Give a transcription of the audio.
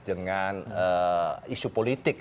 dengan isu politik